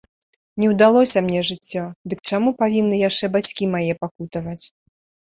Не ўдалося мне жыццё, дык чаму павінны яшчэ бацькі мае пакутаваць?